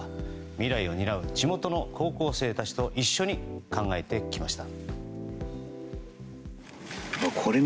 未来を担う地元の高校生たちと一緒に考えてきました。